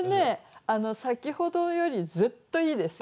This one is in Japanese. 先ほどよりずっといいですよ。